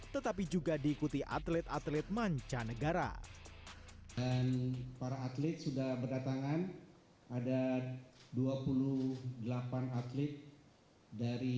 tetapi juga diikuti atlet atlet mancanegara dan para atlet sudah berdatangan ada dua puluh delapan atlet dari